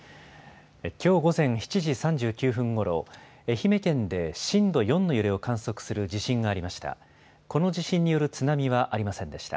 きょう午前７時３９分ごろ、愛媛県で震度４の揺れを観測する地震がありました。